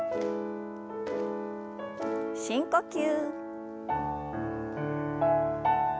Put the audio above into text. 深呼吸。